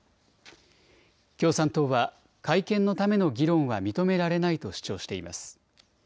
共産党は、改憲のための議論は認められないと主張しています。